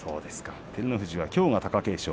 照ノ富士はきょうは貴景勝。